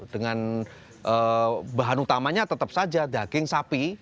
dengan bahan utamanya tetap saja daging sapi